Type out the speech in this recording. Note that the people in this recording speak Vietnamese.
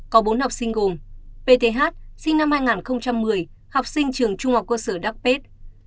có bốn học sinh gồm pth sinh năm hai nghìn một mươi học sinh trường trung học cơ sở đắk pest